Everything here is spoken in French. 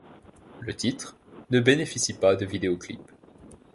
Le titre ne bénéficie pas de vidéoclip.